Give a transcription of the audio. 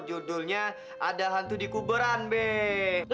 judulnya ada hantu di kuberan mbak